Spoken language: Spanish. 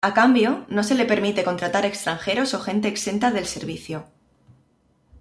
A cambio, no se le permite contratar extranjeros o gente exenta del servicio.